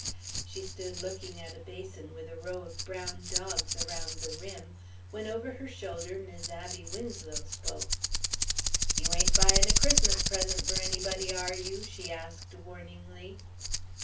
She stood looking at a basin with a row of brown dogs around the rim, when over her shoulder Mis' Abby Winslow spoke. "You ain't buying a Christmas present for anybody, are you?" she asked warningly.